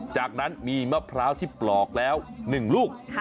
จากนั้นมีมะพร้าวที่ปลอกแล้ว๑ลูก